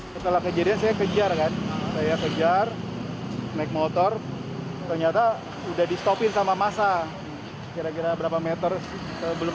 saya kejar kejar naik motor ternyata udah di stopin sama masa kira kira berapa meter belum